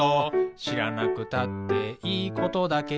「しらなくたっていいことだけど」